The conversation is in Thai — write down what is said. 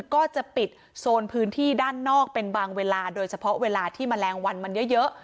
ก็จะปิดโซนพื้นที่ด้านนอกเป็นบางเวลาโดยเฉพาะเวลาที่แมลงวันมันเยอะ